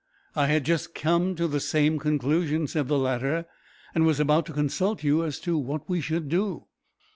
"I had just come to the same conclusion," said the latter, "and was about to consult you as to what we should do."